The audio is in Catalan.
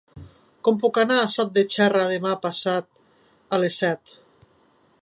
Com puc anar a Sot de Xera demà passat a les set?